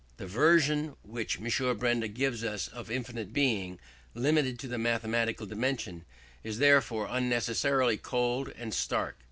The version which M. Benda gives us of infinite Being, limited to the mathematical dimension, is therefore unnecessarily cold and stark.